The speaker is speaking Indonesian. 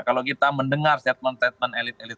kalau kita mendengar statement statement elit elit